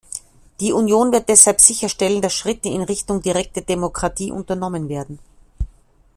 Die Union wird deshalb sicherstellen, dass Schritte in Richtung direkte Demokratie unternommen werden.